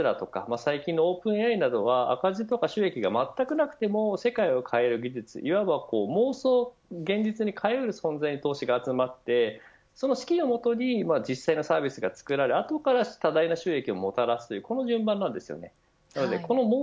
例えばテスラとか最近のオープンＡＩなどは赤字や収益がまったくなくても世界を変える技術、いわば妄想を現実に変え得る存在に投資が集まってその資金をもとに実際にサービスがつくられた後から多大な収益をもたらすという順番なんですよね。